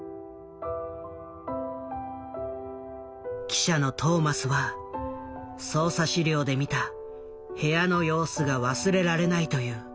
記者のトーマスは捜査資料で見た部屋の様子が忘れられないという。